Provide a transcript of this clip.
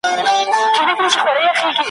چي په یاد زموږ د ټولواک زموږ د پاچا یې `